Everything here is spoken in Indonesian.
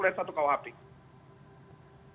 jadi yang dihina